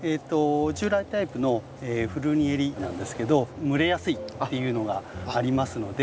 従来タイプのフルニエリなんですけど蒸れやすいっていうのがありますので。